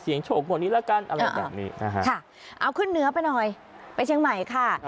เอาขึ้นเนื้อไปหน่อยไปเชียงใหม่ค่ะ